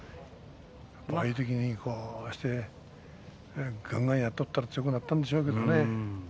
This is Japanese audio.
ああいう時にがんがんやっとったら強くなったんでしょうけどね。